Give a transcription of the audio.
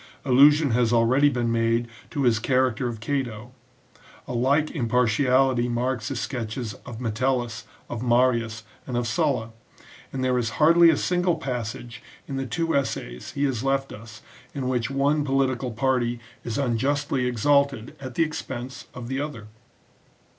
Allusion has already been made to his character of Cato, a like impartiality marks his sketches of Metellus, of Marius, and of Sulla : and there is hardly a single passage in the two essays he has left us in which one political party is unjustly exalted at the expense of the other.